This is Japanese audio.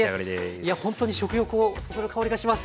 いやほんとに食欲をそそる香りがします。